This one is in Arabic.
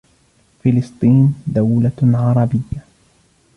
فلسطين دولة عربيّة